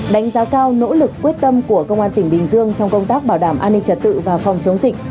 đánh giá cao nỗ lực quyết tâm của công an tỉnh bình dương trong công tác bảo đảm an ninh trật tự và phòng chống dịch